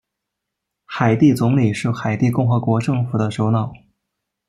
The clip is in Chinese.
海地总理是海地共和国政府的首脑。